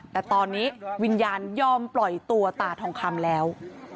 แต่ตอนนี้วิญญาณยอมปล่อยตัวตาทองคำแล้ว